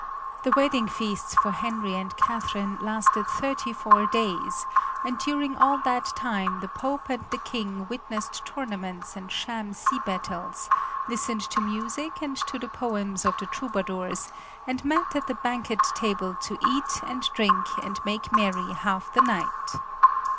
The wedding feasts for Henry and Catherine lasted thirty four days, and during all that time the Pope and the King witnessed tournaments and sham sea battles, listened to music and to the poems of the troubadours, and met at the banquet table to eat and drink and make merry half the night.